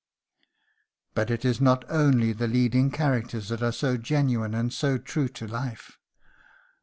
But it is not only the leading characters that are so genuine and so true to life.